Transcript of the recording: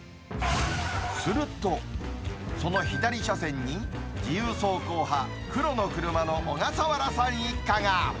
すると、その左車線に自由走行派、黒の車の小笠原さん一家が。